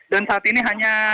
dan saat ini hanya